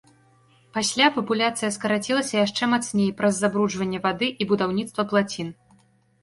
Пасля папуляцыя скарацілася яшчэ мацней праз забруджванне вады і будаўніцтва плацін.